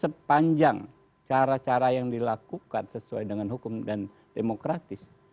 sepanjang cara cara yang dilakukan sesuai dengan hukum dan demokratis